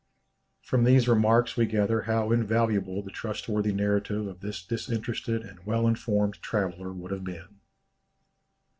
From these remarks we gather how invaluable the trustworthy narrative of this disinterested and well informed traveller would have been.